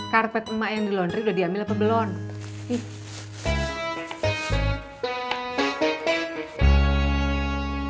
karpet emak yang dilondri udah diambil apa belum